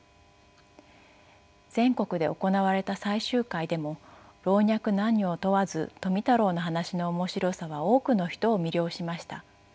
全国で行われた採集会でも老若男女を問わず富太郎の話の面白さは多くの人を魅了しました。